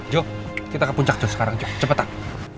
jom kita ke puncak jom sekarang jom cepetan